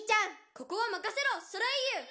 「ここはまかせろソレイユ」